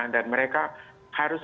dan mereka harus